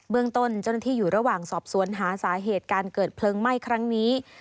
เมืองต้นเจ้าหน้าที่อยู่ระหว่างสอบสวนหาสาเหตุการเกิดเพลิงไหม้ครั้งนี้